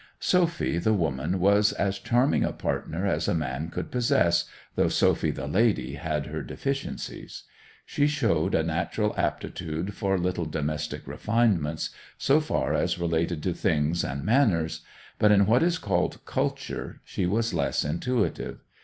Sophy the woman was as charming a partner as a man could possess, though Sophy the lady had her deficiencies. She showed a natural aptitude for little domestic refinements, so far as related to things and manners; but in what is called culture she was less intuitive.